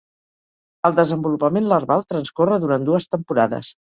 El desenvolupament larval transcorre durant dues temporades.